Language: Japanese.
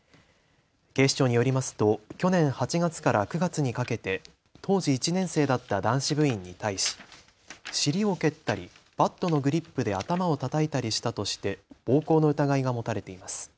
警視庁によりますと去年８月から９月にかけて当時１年生だった男子部員に対し、尻を蹴ったりバットのグリップで頭をたたいたりしたとして暴行の疑いが持たれています。